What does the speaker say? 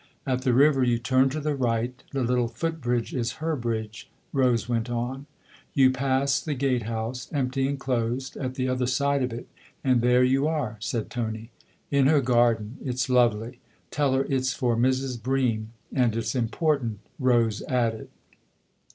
"At the river you turn to the right the little foot bridge is her bridge," Rose went on. " You pass the gatehouse empty and closed at the other side of it, and there you are," said Tony. " In her garden it's lovely. Tell her it's for Mrs. Bream and it's important," Rose added.